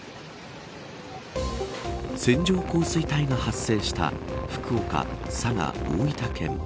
線状降水帯が発生した福岡、佐賀、大分県。